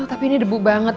tapi ini debu banget